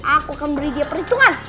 aku akan beri dia perhitungan